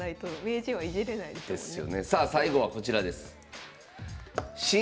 さあ最後はこちらです。